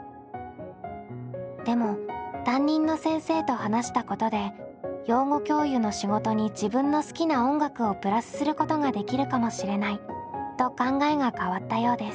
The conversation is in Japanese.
でも担任の先生と話したことで養護教諭の仕事に自分の好きな音楽をプラスすることができるかもしれないと考えが変わったようです。